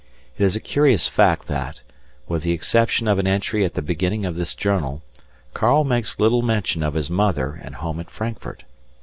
It is a curious fact that, with the exception of an entry at the beginning of this journal, Karl makes little mention of his mother and home at Frankfurt.